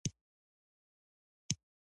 د مس عینک کان د نړۍ دویم لوی د مسو کان دی